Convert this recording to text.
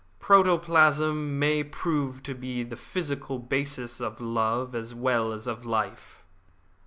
"Protoplasm may prove to be the physical basis of love as well as of life."